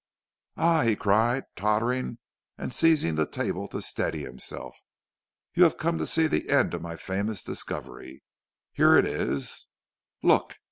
"'Ah!' he cried, tottering and seizing the table to steady himself; 'you have come to see the end of my famous discovery. Here it is; look!'